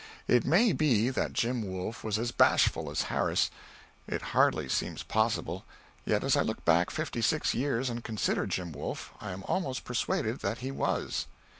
It may be that Jim Wolf was as bashful as Harris. It hardly seems possible, yet as I look back fifty six years and consider Jim Wolf, I am almost persuaded that he was.